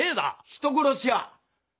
人殺しや！